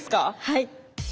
はい。